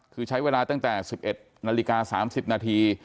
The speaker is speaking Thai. คือใช้เวลาตั้งแต่๑๑นาฬิกา๓๐นาที